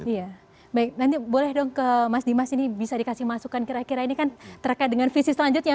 iya baik nanti boleh dong ke mas dimas ini bisa dikasih masukan kira kira ini kan terkait dengan visi selanjutnya